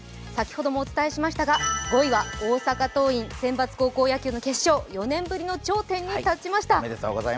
先ほどもお伝えしましたが、５位は大阪桐蔭、選抜高校野球の決勝、４年ぶりの頂点に立ちました。